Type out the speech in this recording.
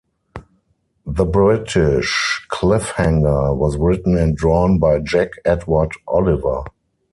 The British "Cliff Hanger" was written and drawn by Jack Edward Oliver.